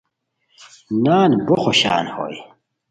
نان بو خوشان ہوئے